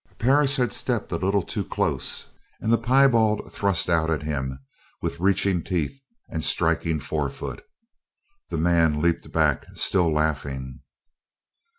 Perris had stepped a little too close and the piebald thrust out at him with reaching teeth and striking forefoot. The man leaped back, still laughing.